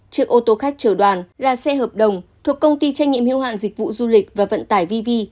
trước ô tô khách trở đoàn là xe hợp đồng thuộc công ty trách nhiệm hiếu hạn dịch vụ du lịch và vận tải vv